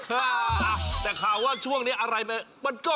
ฮ่าแต่ข่าวว่าช่วงนี้อะไรมันปล่อยก็หลุงเหรา